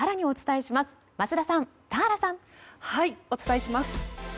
お伝えします。